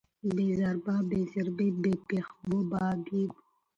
ب زر با، ب زېر بي، ب پېښ بو، با بي بو